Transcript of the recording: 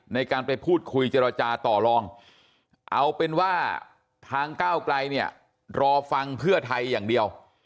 ในการไปพูดคุยเจรจาต่อลองเอาเป็นว่าทางก้าวไกลเนี่ยรอฟังเพื่อไทยอย่างเดียว